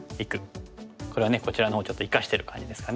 これはねこちらのほうちょっと生かしてる感じですかね。